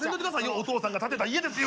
お父さんが建てた家ですよ。